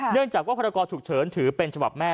เนื่องจากว่าพรกรฉุกเฉินถือเป็นฉบับแม่